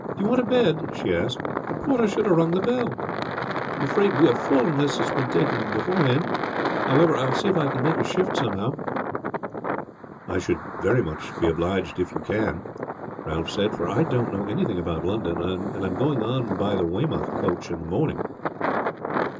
"Do you want a bed?" she asked. "The porter should have rung the bell. I am afraid we are full, unless it has been taken beforehand. However, I will see if I can make shift somehow." "I should be very much obliged if you can," Ralph said; "for I don't know anything about London, and am going on by the Weymouth coach in the morning."